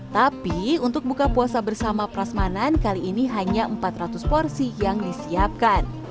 tapi untuk buka puasa bersama prasmanan kali ini hanya empat ratus porsi yang disiapkan